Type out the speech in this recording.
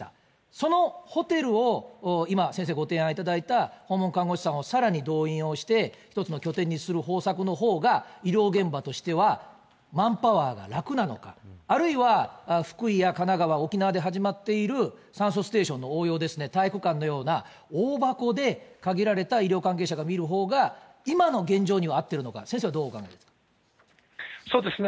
そのホテルを今、先生ご提案いただいた、訪問看護師さんをさらに動員をして、１つの拠点にする方策のほうが医療現場としては、マンパワーが楽なのか、あるいは福井や神奈川、沖縄で始まっている酸素ステーションの応用ですね、体育館のような大箱で限られた医療関係者が診るほうが、今の現状には合ってるのか、先生はどうお考えですか。